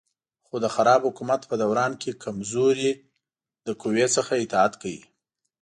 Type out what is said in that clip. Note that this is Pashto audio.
خو د خراب حکومت په دوران کې کمزوري له قوي څخه اطاعت کوي.